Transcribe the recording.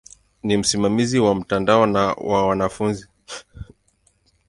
Ni msimamizi wa mtandao na wa wanafunzi.